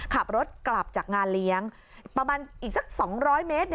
ขับรถกลับจากงานเลี้ยงประมาณอีกสัก๒๐๐เมตร